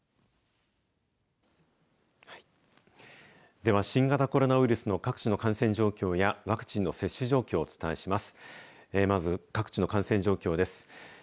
では新型コロナウイルスの各地の感染状況やワクチンの接種状況をお伝えします。